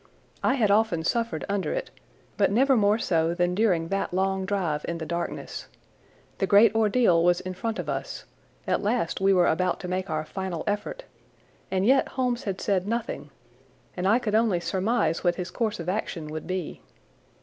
I had often suffered under it, but never more so than during that long drive in the darkness. The great ordeal was in front of us; at last we were about to make our final effort, and yet Holmes had said nothing, and I could only surmise what his course of action would be.